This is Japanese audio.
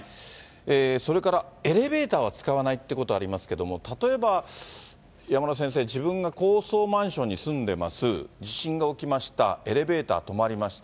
それからエレベーターは使わないってことありますけども、例えば山村先生、自分が高層マンションに住んでます、地震が起きました、エレベーター止まりました。